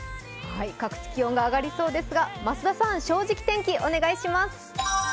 各地気温が上がりそうですが増田さん、「正直天気」お願いします